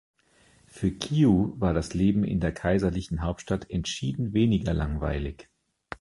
Für Qiu war das Leben in der kaiserlichen Hauptstadt entschieden weniger langweilig.